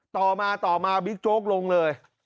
ต่อมาต่อมาบิ๊กโจ๊กลงเลย